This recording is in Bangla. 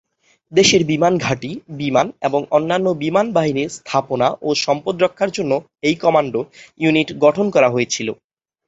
দেশের বিমান ঘাঁটি, বিমান এবং অন্যান্য বিমান বাহিনীর স্থাপনা ও সম্পদ রক্ষার জন্য এই কমান্ডো ইউনিট গঠন করা হয়েছিল।